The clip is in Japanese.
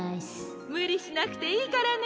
むりしなくていいからね。